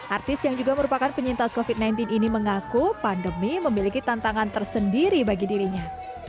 artis yang juga merupakan penyintas covid sembilan belas ini mengaku pandemi memiliki tantangan tersendiri bagi dirinya